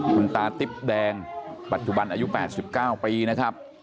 คุณตาติ๊บแดงปัจจุบันอายุ๘๙ปีนะครับ